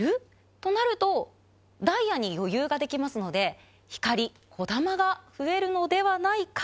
弔箸覆襪ダイヤに余裕ができますので劼こだまが増えるのではないか？